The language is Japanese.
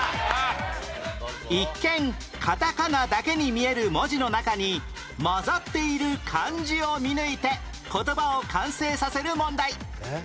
一見カタカナだけに見える文字の中に交ざっている漢字を見抜いて言葉を完成させる問題